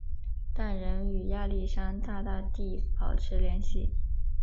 但仍与亚历山大大帝保持联系。